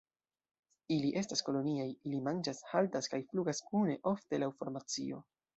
Ili estas koloniaj; ili manĝas, haltas kaj flugas kune, ofte laŭ formacio.